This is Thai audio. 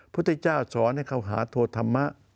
พุทธเจ้าสอนให้เขาหาโทธรรมะ